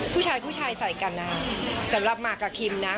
ผู้ชายผู้ชายใส่กันนะคะสำหรับหมากกับคิมนะ